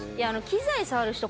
機材触る人